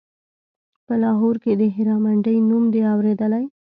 په لاهور کښې د هيرا منډيي نوم دې اورېدلى.